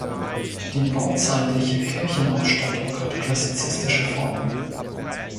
Die bauzeitliche Kirchenausstattung hat klassizistische Formen.